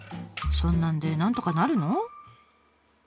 そんなんでなんとかなるの？